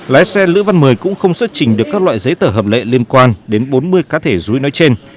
lái xe lữ văn mười cũng không xuất trình được các loại giấy tờ hợp lệ liên quan đến bốn mươi cá thể rúi nói trên